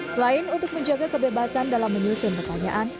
selain untuk menjaga kebebasan dalam menyusun pertanyaan